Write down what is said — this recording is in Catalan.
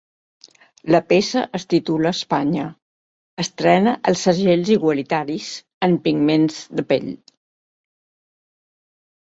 La peça es titula Espanya estrena els ‘segells igualitaris’ en pigments de pell.